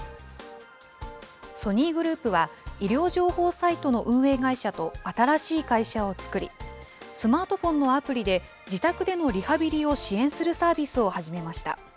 ソニーグループは、医療情報サイトの運営会社と新しい会社を作り、スマートフォンのアプリで自宅でのリハビリを支援するサービスを始めました。